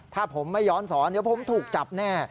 ถ้าผมไม่ย้อนสอนเดี๋ยวผมถูกจับแน่